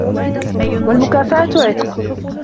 وَالْمُكَافَأَةُ عِتْقٌ